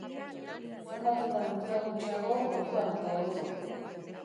Zenbat eta lotura gutxiago, orduan eta hobeto.